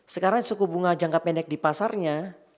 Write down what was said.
sekarang suku bunga jangka pendek di pasarnya empat delapan empat sembilan